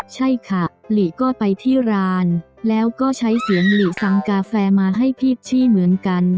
ใช่ค่ะหลีก็ไปที่ร้านแล้วก็ใช้เสียงหลีสั่งกาแฟมาให้พี่ชี่เหมือนกัน